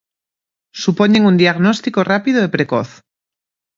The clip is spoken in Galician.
Supoñen un diagnóstico rápido e precoz.